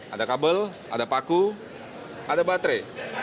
ada kabel ada paku ada baterai